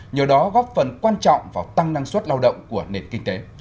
nhờ đó góp phần quan trọng vào tăng năng suất lao động của nền kinh tế